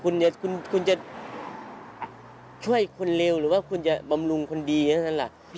คนดีคุณจะช่วยคนเลวหรือว่าคุณจะประมาณความความขอบคุมคนดี